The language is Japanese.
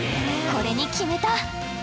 これに決めた。